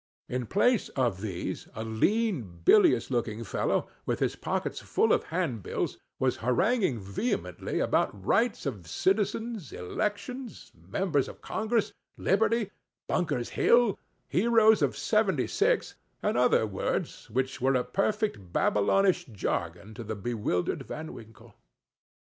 In place of these, a lean, bilious looking fellow, with his pockets full of handbills, was haranguing vehemently about rights of citizens—elections—members of congress—liberty—Bunker's Hill—heroes of seventy six—and other words, which were a perfect Babylonish jargon to the bewildered Van Winkle.